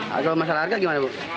kalau masalah harga gimana bu